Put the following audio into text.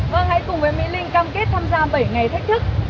vâng hãy cùng với my linh cam kết tham gia bảy ngày thách thức